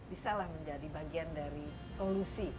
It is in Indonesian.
bisa lah menjadi bagian dari solusi